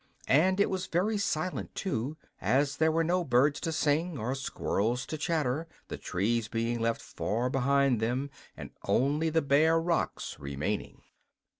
And it was very silent, too, as there were no birds to sing or squirrels to chatter, the trees being left far behind them and only the bare rocks remaining.